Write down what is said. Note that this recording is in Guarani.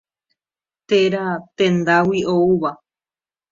Téra tendágui oúva.